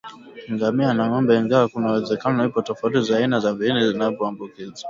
Ngamia na ngombe ingawa kuna uwezekano ipo tofauti za aina za viini zinazoambukiza